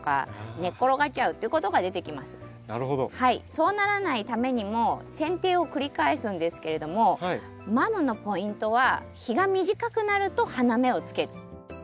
そうならないためにもせん定を繰り返すんですけれどもマムのポイントは日が短くなると花芽をつける。